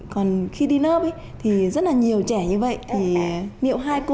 còn khi đi lớp thì rất là nhiều trẻ như vậy thì miệng hai cô có chăm được các con không